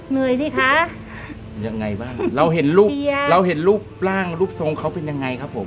สิคะยังไงบ้างเราเห็นรูปเราเห็นรูปร่างรูปทรงเขาเป็นยังไงครับผม